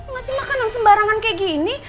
ngasih makanan sembarangan kayak gini